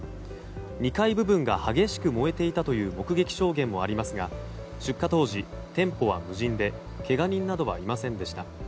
２階部分が激しく燃えていたという目撃証言もありましたが出火当時、店舗は無人でけが人などはいませんでした。